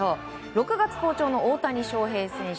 ６月好調の大谷翔平選手。